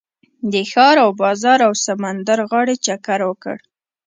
د ښار و بازار او سمندر غاړې چکر وکړ.